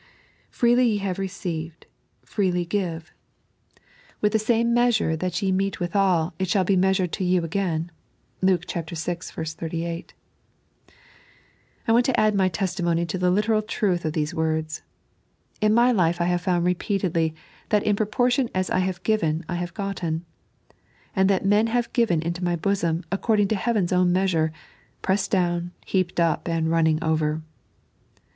"Freely ye have received, freely give." "With the same 3.n.iized by Google The Baptism op Love. 83 meaaore that ye mete withal, it shall be measured to you again " (Luke vi. 38). I want to add my testimony to the literal truth of these words. In my life I have found repeatedly that in pro portion as I have given I have gotten, and that men have given into my boeonl, according to heaven's own measure, pressed down, heaped up, and running over.